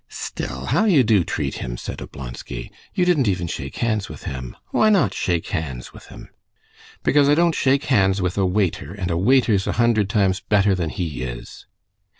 "Still, how you do treat him!" said Oblonsky. "You didn't even shake hands with him. Why not shake hands with him?" "Because I don't shake hands with a waiter, and a waiter's a hundred times better than he is."